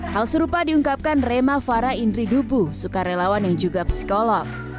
hal serupa diungkapkan karena rema farah indri dubu suka relawan yang juga psikolog